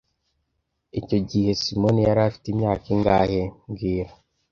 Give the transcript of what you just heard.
Icyo gihe Simoni yari afite imyaka ingahe mbwira